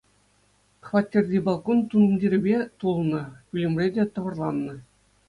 Хваттерти балкон тумтирпе тулнӑ, пӳлӗмре те тӑвӑрланнӑ.